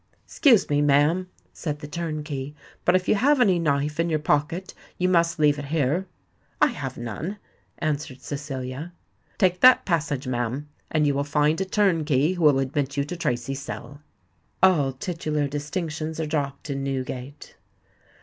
"Excuse me, ma'am," said the turnkey, "but if you have any knife in your pocket you must leave it here." "I have none," answered Cecilia. "Take that passage, ma'am, and you will find a turnkey who will admit you to Tracy's cell." All titular distinctions are dropped in Newgate.